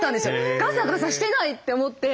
ガサガサしてないって思って。